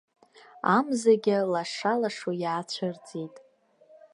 Амзагьы лаша-лашо иаацәырҵит.